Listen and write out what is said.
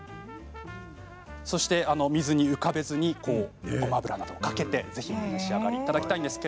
そして水に浮かべずにごま油をかけてぜひお召し上がりいただきたいと思います。